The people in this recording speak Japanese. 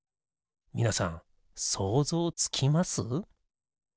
みなさんそうぞうつきます？